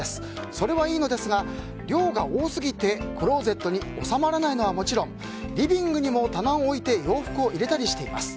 それはいいのですが量が多すぎてクローゼットに収まらないのはもちろんリビングにも棚を置いて洋服を入れたりしています。